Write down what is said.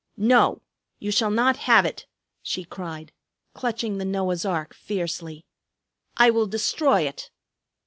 "No, you shall not have it," she cried, clutching the Noah's ark fiercely. "I will destroy it."